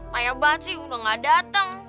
banyak banget sih udah gak dateng